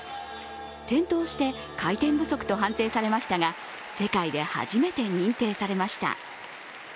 転倒して回転不足と判定されましたが世界で初めて認定されました。